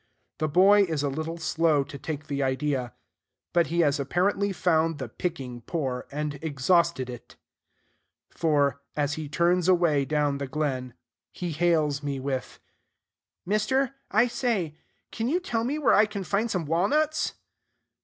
The boy is a little slow to take the idea: but he has apparently found the picking poor, and exhausted it; for, as he turns away down the glen, he hails me with, "Mister, I say, can you tell me where I can find some walnuts?"